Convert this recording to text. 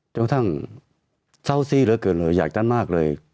กระทั่งเศร้าซี่เหลือเกินเลยอยากจะมากเลย